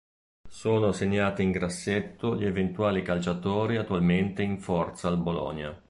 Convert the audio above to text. Sono segnati in grassetto gli eventuali calciatori attualmente in forza al Bologna.